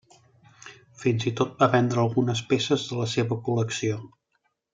Fins i tot va vendre algunes peces de la seva col·lecció.